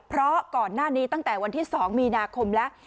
เพราะก่อนหน้านี้ตั้งแต่วันที่๒มีนาคมแล้ว